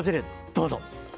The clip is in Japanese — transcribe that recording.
どうぞ。